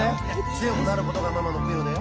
強くなることがママの供養だよ。